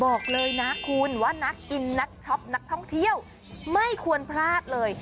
บอกเลยนะคุณว่านักกินนักช็อปนักท่องเที่ยวไม่ควรพลาดเลย